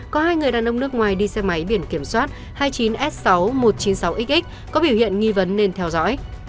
có hai người đàn ông nước ngoài đi xe máy biển kiểm soát hai mươi chín s sáu nghìn một trăm chín mươi sáu x có biểu hiện nghi vấn nên theo dõi